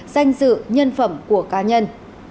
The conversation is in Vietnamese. danh dự nhân phẩm của cá nhân